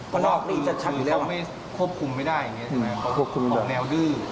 พึ่งมี๒ปีหลังเริ่มทำตัว